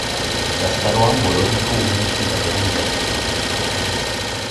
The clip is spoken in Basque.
Gaztaroan Boloniako Unibertsitatean ikasi zuen.